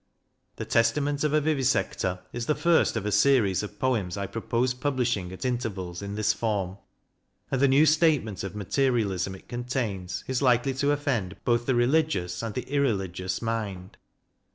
The " Testament of a Vivisector " is the first of a series of Poems I propose publishing at intervals in this form ... and the new statement of Materialism it contains is likely to offend both the religious and the irreligious mind.